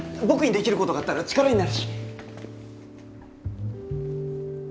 僕にできる事があったら力になるし。